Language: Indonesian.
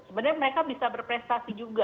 sebenarnya mereka bisa berprestasi juga